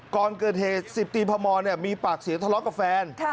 ก่อนเกิดเหตุ๑๐ตีพมมีปากเสียงทะเลาะกับแฟน